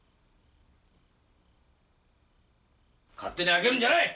勝手に開けるんじゃない！